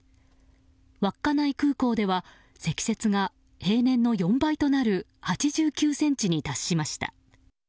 稚内空港では積雪が平年の４倍となる８９ｃｍに達しました。